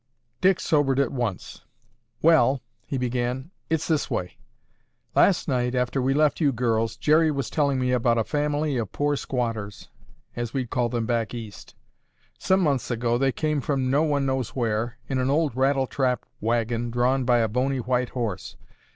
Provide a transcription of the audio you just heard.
Dick sobered at once. "Well," he began, "it's this way. Last night, after we left you girls, Jerry was telling me about a family of poor squatters, as we'd call them back East. Some months ago they came from no one knows where, in an old rattletrap wagon drawn by a bony white horse.